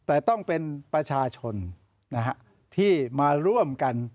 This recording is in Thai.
แต่ต้องเป็นประชาชนที่มาร่วมกัน